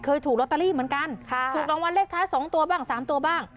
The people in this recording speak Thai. เคยถูกลอตเตอรี่เหมือนกันค่ะถูกรางวัลเลขท้าย๒ตัวบ้างสามตัวบ้าง